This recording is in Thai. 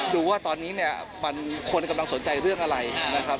ดูว่าตอนนี้คนกำลังสนใจเรื่องอะไรนะครับ